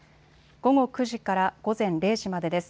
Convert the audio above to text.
午後９時から午前０時までです。